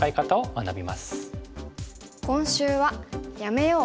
今週は「やめよう！